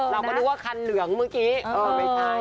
เราก็นึกว่าคันเหลืองเมื่อกี้ไม่ใช่